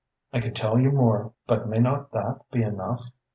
I could tell you more but may not that be enough?